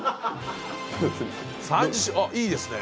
３０種あっいいですね。